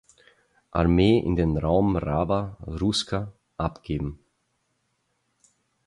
Armee in den Raum Rawa Ruska abgeben.